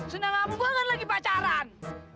senang kamu gue kan lagi pacaran